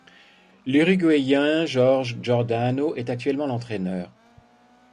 L'uruguayen Jorge Giordano est actuellement l'entraineur.